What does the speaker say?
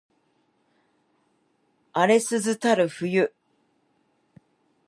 荒涼たる冬